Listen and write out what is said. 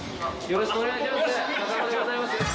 よろしくお願いします。